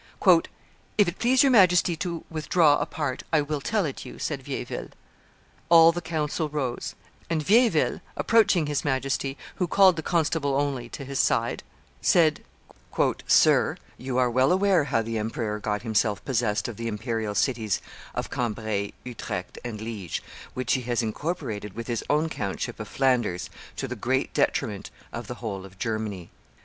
"If it please your Majesty to withdraw apart, I will tell it you," said Vieilleville. All the council rose; and Vieilleville, approaching his Majesty, who called the constable only to his side, said, "Sir, you are well aware how the emperor got himself possessed of the imperial cities of Cambrai, Utrecht, and Liege, which he has incorporated with his own countship of Flanders, to the great detriment of the whole of Germany.